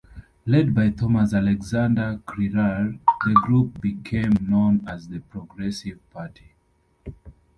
Led by Thomas Alexander Crerar, the group became known as the Progressive Party.